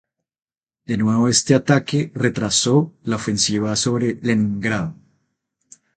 De nuevo este ataque retrasó la ofensiva sobre Leningrado.